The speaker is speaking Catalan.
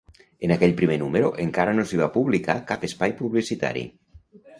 En aquell primer número encara no s'hi va publicar cap espai publicitari.